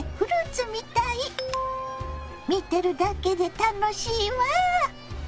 見てるだけで楽しいわ。